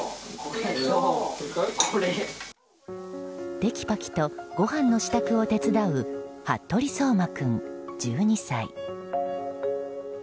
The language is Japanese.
てきぱきとごはんの支度を手伝う服部颯馬君、１２歳。